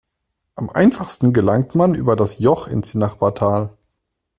Am einfachsten gelangt man über das Joch ins Nachbartal.